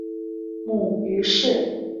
母于氏。